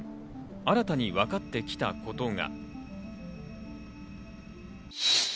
新たに分かってきたことが。